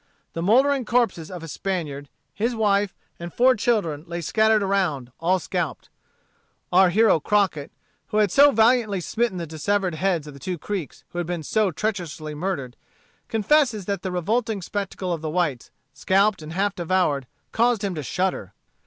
The mouldering corpses of a Spaniard, his wife, and four children lay scattered around, all scalped. Our hero Crockett, who had so valiantly smitten the dissevered heads of the two Creeks who had been so treacherously murdered, confesses that the revolting spectacle of the whites, scalped and half devoured, caused him to shudder.